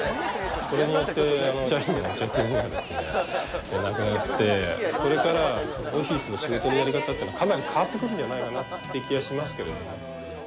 これによって社員のお茶くみがなくなって、これからオフィスの仕事のやり方っていうのはかなり変わってくるんじゃないかなって気がしますけどね。